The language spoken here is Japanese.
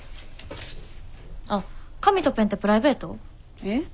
あっ紙とペンってプライベート？え？